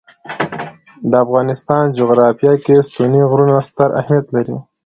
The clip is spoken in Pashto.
د افغانستان جغرافیه کې ستوني غرونه ستر اهمیت لري.